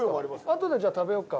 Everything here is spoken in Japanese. あとでじゃあ食べようか。